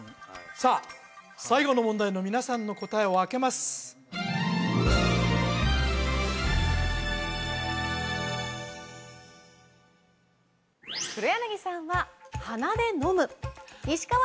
さあ最後の問題の皆さんの答えをあけますさあ